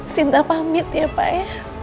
sinta pamit ya pak ya